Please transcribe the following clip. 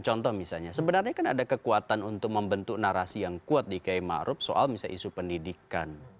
contoh misalnya sebenarnya kan ada kekuatan untuk membentuk narasi yang kuat di kiai ⁇ maruf ⁇ soal misalnya isu pendidikan